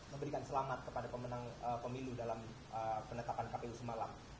memberikan selamat kepada pemenang pemilu dalam penetapan kpu semalam